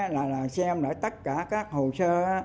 là xem lại tất cả các hồ sơ